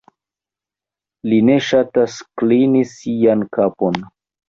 Li ne ŝatas klini sian kapon.